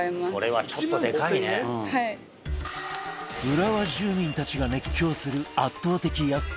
浦和住民たちが熱狂する圧倒的安さ